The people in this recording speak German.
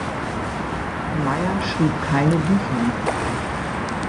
Meyer schrieb keine Bücher.